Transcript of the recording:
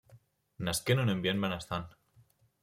Nasqué en un ambient benestant.